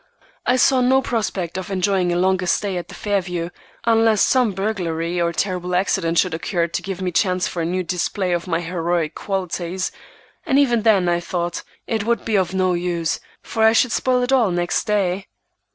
I saw no prospect of enjoying a longer stay at the Fairview, unless some burglary or terrible accident should occur to give me chance for a new display of my heroic qualities, and even then, I thought, it would be of no use, for I should spoil it all next day.